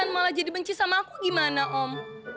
oh tristan malah jadi benci sama aku gimana om